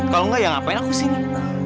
kalau enggak ya ngapain aku sini